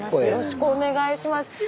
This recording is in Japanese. よろしくお願いします。